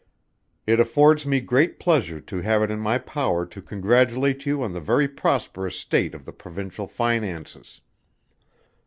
It affords me great pleasure to have it in my power to congratulate you on the very prosperous state of the Provincial Finances.